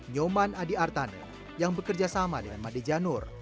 nyoman adi artane yang bekerja sama dengan madejanur